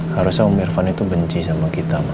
harusnya om irfan itu benci sama kita